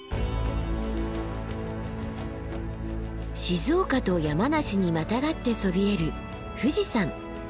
静岡と山梨にまたがってそびえる富士山。